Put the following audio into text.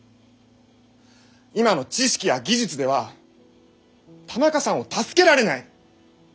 今の知識や技術では田中さんを助けられない。